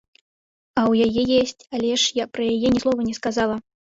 А ў яе есць, але ж я пра яе ні слова не сказала.